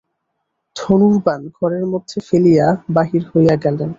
ধনুর্বাণ ঘরের মধ্যে ফেলিয়া বাহির হইয়া গেলেন।